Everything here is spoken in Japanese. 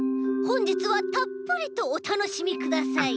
ほんじつはたっぷりとおたのしみください！